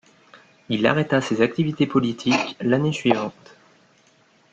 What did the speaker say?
Il arrêta ses activités politiques l’année suivante.